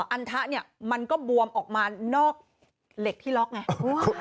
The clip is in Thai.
อันทะเนี่ยมันก็บวมออกมานอกเหล็กที่ล็อกไง